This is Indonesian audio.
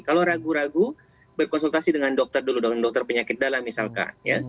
kalau ragu ragu berkonsultasi dengan dokter dulu dengan dokter penyakit dalam misalkan